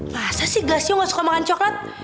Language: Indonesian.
masa sih glassio gak suka makan coklat